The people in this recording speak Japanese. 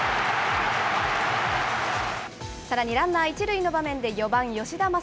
さらにランナー１塁の場面で、４番吉田正尚。